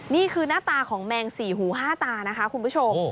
นี่คือหน้าตาของแมงสี่หูห้าตานะคะคุณผู้ชม